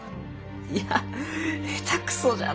いや下手くそじゃのう！